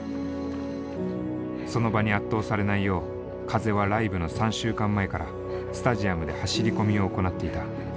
その場に圧倒されないよう風はライブの３週間前からスタジアムで走り込みを行っていた。